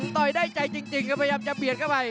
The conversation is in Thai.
ได้ใจจริงครับพยายามจะเบียดเข้าไป